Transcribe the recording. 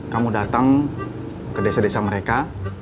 kamu datang ke desa desa mereka